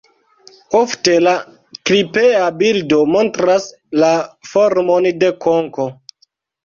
Ofte la klipea bildo montras la formon de konko.